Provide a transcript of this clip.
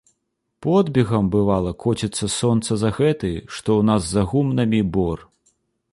Подбегам, бывала, коціцца сонца за гэты, што ў нас за гумнамі, бор.